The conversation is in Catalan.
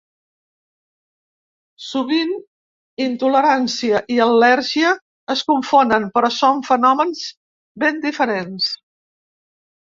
Sovint intolerància i al·lèrgia es confonen però són fenòmens ben diferents.